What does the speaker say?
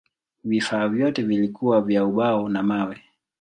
Vifaa vyote vilikuwa vya ubao na mawe.